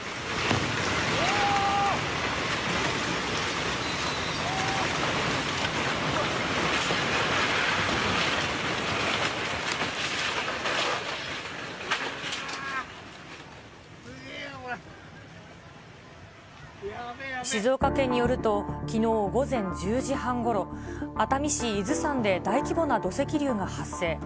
うわー、静岡県によると、きのう午前１０時半ごろ、熱海市伊豆山で大規模な土石流が発生。